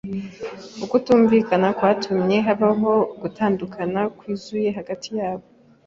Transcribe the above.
Ukutumvikana kwatumye habaho gutandukana kwuzuye hagati yabo.